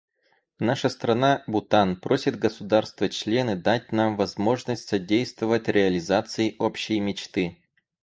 Наша страна, Бутан, просит государства-члены дать нам возможность содействовать реализации общей мечты.